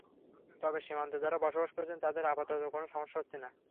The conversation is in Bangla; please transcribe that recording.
তবে সীমান্তে যাঁরা বসবাস করছেন, তাঁদের আপাতত কোনো সমস্যা হচ্ছে না।